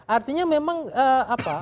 artinya memang apa